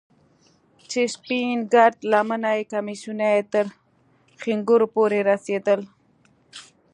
چې سپين گرد لمني کميسونه يې تر ښنگرو پورې رسېدل.